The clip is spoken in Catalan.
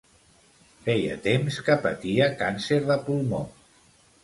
Feia temps que patia càncer de pulmó.